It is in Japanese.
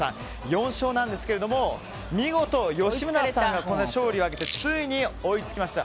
４勝なんですけども見事、吉村さんがこの間、勝利を挙げてついに追いつきました。